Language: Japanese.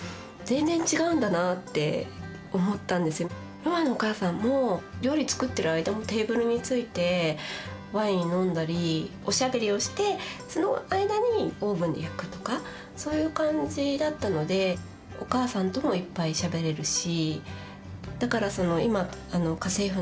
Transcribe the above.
何かロマンのお母さんも料理つくってる間もテーブルについてワイン飲んだりおしゃべりをしてその間にオーブンで焼くとかそういう感じだったのでお母さんともいっぱいしゃべれるし。